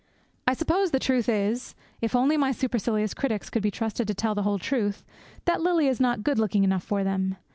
I suppose the truth is, if only my supercilious critics could be trusted to tell the whole truth, that Lily is not good looking enough for them.